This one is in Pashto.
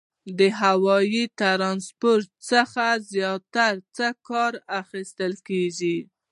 د هوایي ترانسپورتي څخه زیاتره څه کار اخیستل کیږي؟